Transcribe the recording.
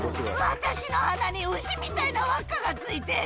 私の鼻に牛みたいな輪っかがついてる。